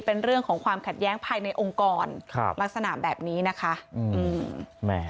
เป็นเรื่องของความขัดแย้งภายในองค์กรครับลักษณะแบบนี้นะคะอืม